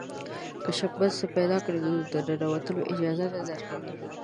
که شکمن څه پیدا کړي نو د ننوتلو اجازه نه درکوي.